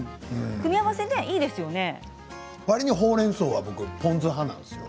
わりにほうれんそうは僕は、ポン酢派なんですよ。